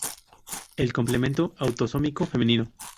El complemento autosómico femenino.